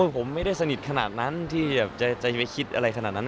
ผมไม่ได้สนิทขนาดนั้นที่จะไปคิดอะไรขนาดนั้น